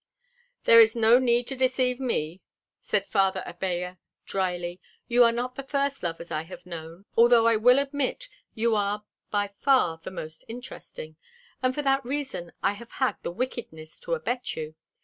"There is no need to deceive me," said Father Abella dryly. "You are not the first lovers I have known, although I will admit you are by far the most interesting, and for that reason I have had the wickedness to abet you.